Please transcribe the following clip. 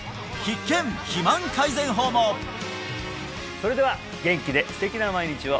それでは元気で素敵な毎日を！